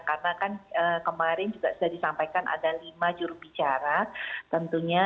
karena kan kemarin juga sudah disampaikan ada lima jurubicara tentunya